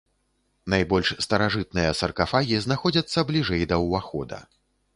Найбольш старажытныя саркафагі знаходзяцца бліжэй да ўвахода.